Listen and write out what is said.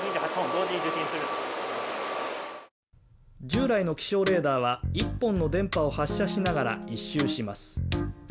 従来の気象レーダーは１本の電波を発射しながら一周します